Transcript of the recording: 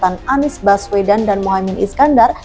dan anis baswedan dan mohamid iskandar